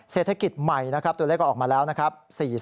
เศรษฐกิจใหม่นะครับตัวเลขก็ออกมาแล้วนะครับ